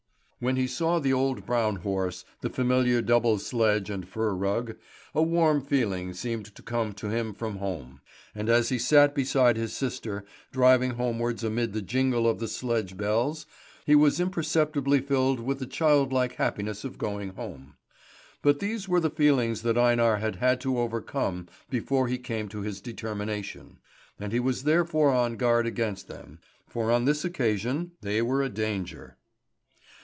When he saw the old brown horse, the familiar double sledge and fur rug, a warm feeling seemed to come to him from home; and as he sat beside his sister, driving homewards amid the jingle of the sledge bells, he was imperceptibly filled with the childlike happiness of going home. But these were the feelings that Einar had had to overcome before he came to his determination; and he was therefore on guard against them, for on this occasion they were a danger.